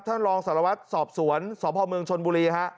ท่านรองสารวัติสอบสวนสวพเผาเมืองชนบุรี